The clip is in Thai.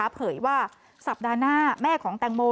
เผยว่าสัปดาห์หน้าแม่ของแตงโม